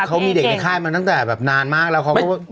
อ๋อเขามีเด็กในค่ายมาตั้งแต่นานมากแล้ว